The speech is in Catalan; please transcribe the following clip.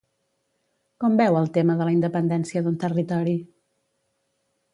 Com veu el tema de la independència d'un territori?